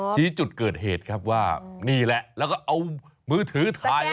ชี้จุดเกิดเหตุครับว่านี่แหละแล้วก็เอามือถือถ่าย